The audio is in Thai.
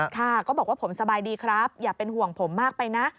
ค่ะก็บอกว่าผมสบายดีครับอย่าเป็นห่วงผมมากไปนะ